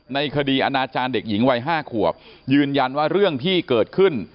ในคดีอาณาจารย์เด็กหญิงวัย๕ขวบยืนยันว่าเรื่องที่เกิดขึ้น